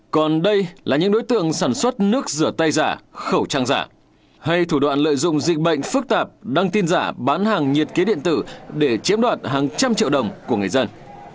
còn đây là những đối tượng sản xuất nước rửa tay giả khẩu trang giả hay thủ đoạn lợi dụng dịch bệnh phức tạp đăng tin giả bán hàng nhiệt kế điện tử để chiếm đoạt hàng trăm triệu đồng của người dân